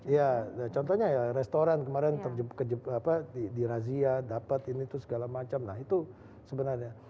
ya contohnya ya restoran kemarin terjebak di razia dapat ini itu segala macam nah itu sebenarnya